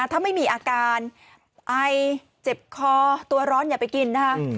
ถ้าไม่มีอาการไอเจ็บคอตัวร้อนอย่าไปกินนะคะ